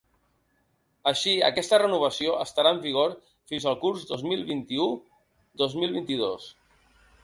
Així, aquesta renovació estarà en vigor fins el curs dos mil vint-i-u-dos mil vint-i-dos.